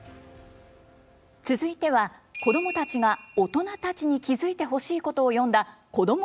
続いては子どもたちが大人たちに気付いてほしいことを詠んだ子ども